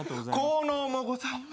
効能もございます。